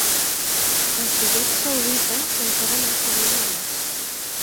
Els bitllets saudites encara no s'havien emès.